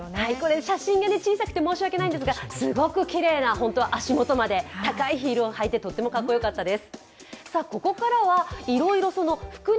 写真が小さくて申し訳ないんですがすごくきれいな足元まで高いヒールを履いてとてもかっこよかったです。